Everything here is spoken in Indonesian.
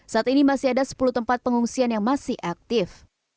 saat ini masih ada sepuluh tempat pengungsian yang masih aktif